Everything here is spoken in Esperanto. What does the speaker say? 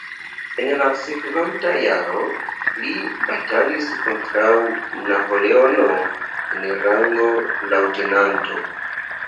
En la sekvanta jaro li batalis kontraŭ Napoleono en rango leŭtenanto.